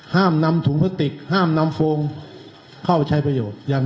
ห้ามนำถุงพลาสติกห้ามนำโฟงเข้าใช้ประโยชน์